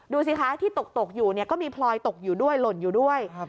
ดูสิคะที่ตกอยู่ก็มีพลอยตกอยู่ด้วยหล่นอยู่ด้วย